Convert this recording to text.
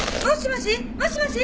もしもし！